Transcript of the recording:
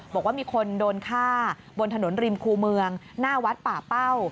บอกว่ามีคนโดนฆ่าบนถนนริมคูเมืองหน้าวัดป่าเป้า